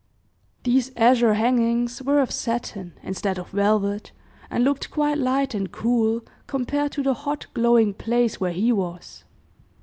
These azure hangings were of satin, instead of velvet, and looked quite light and cool, compared to the hot, glowing place where he was.